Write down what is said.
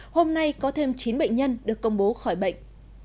hôm nay có thêm chín bệnh nhân được công bố khỏi bệnh